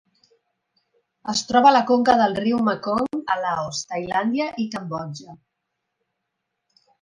Es troba a la conca del riu Mekong a Laos, Tailàndia i Cambodja.